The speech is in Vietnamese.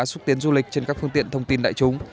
xúc tiến du lịch trên các phương tiện thông tin đại chúng